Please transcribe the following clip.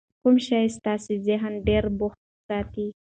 کوم شی ستا ذهن ډېر بوخت ساتي؟